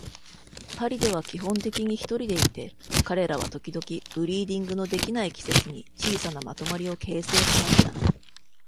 パリでは基本的に独りでいて、彼らは時々ブリーディングの出来ない季節に小さなまとまりを形成しました。